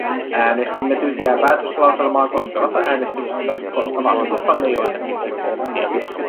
Äänestimme tyhjää päätöslauselmaa koskevassa äänestyksessä, koska vastustamme joitakin sen kohtia.